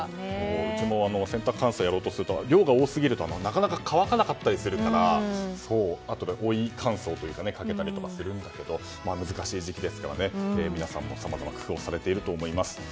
うちも洗濯乾燥をやろうとすると量が多すぎるとなかなか乾かなかったりするからあとでコイン乾燥にかけたりしますが難しい時期ですから皆さんもさまざま工夫をされていると思います。